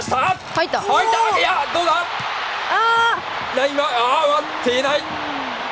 ラインは割っていない！